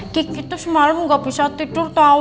kiki tuh semalam ga bisa tidur tau